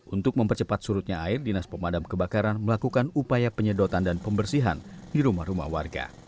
untuk mempercepat surutnya air dinas pemadam kebakaran melakukan upaya penyedotan dan pembersihan di rumah rumah warga